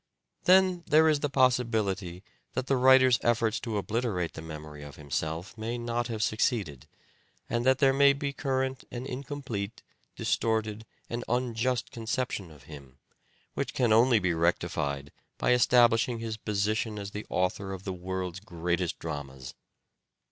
Then there is the possibility that the writer's effort to obliterate the memory of himself may not have succeeded, and that there may be current an incomplete, distorted and unjust con ception of him, which can only be rectified by establishing his position as the author of the world's greatest dramas.